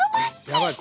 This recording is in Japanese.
やばい